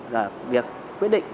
và việc quyết định